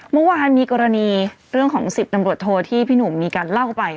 เมื่อวานมีกรณีเรื่องของ๑๐ตำรวจโทที่พี่หนุ่มมีการเล่าไป